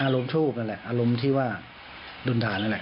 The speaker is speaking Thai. อารมณ์ทูบนั่นแหละอารมณ์ที่ว่าดุลทานนั่นแหละ